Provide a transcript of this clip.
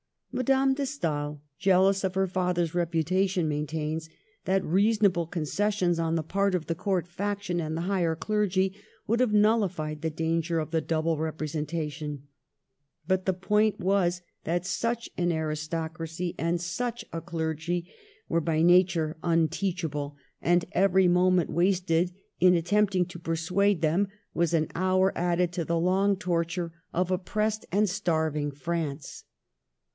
Madame de Stael, jealous of her father's reputation, maintains that reasonable concessions on the part of the Court faction and the higher clergy would have nullified the danger of the double representation. But the point was that such an aristocracy and such a clergy were Digitized by VjOOQIC 40 MADAME DE STAEL. by nature unteachable ; and every moment wasted in attempting to persuade them was an hour add ed to the long torture of oppressed and starving France.